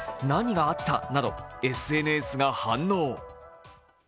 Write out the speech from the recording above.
何があったなどＳＮＳが反応。